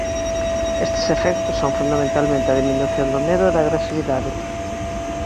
Estes efectos son fundamentalmente a diminución do medo e da agresividade.